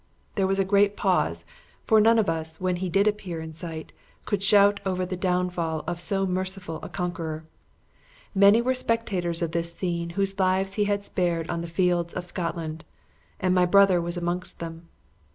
There was a great pause, for none of us, when he did appear in sight, could shout over the downfall of so merciful a conqueror. Many were spectators of this scene whose lives he had spared on the fields of Scotland; and my brother was amongst them.